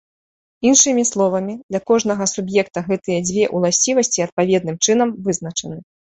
Іншымі словамі, для кожнага суб'екта гэтыя дзве ўласцівасці адпаведным чынам вызначаны.